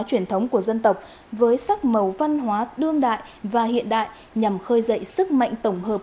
truyền thống của dân tộc với sắc màu văn hóa đương đại và hiện đại nhằm khơi dậy sức mạnh tổng hợp